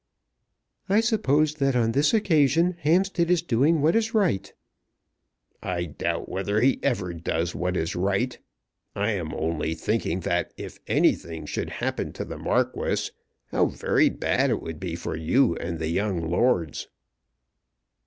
"I suppose that on this occasion Hampstead is doing what is right." "I doubt whether he ever does what is right. I am only thinking that if anything should happen to the Marquis, how very bad it would be for you and the young lords."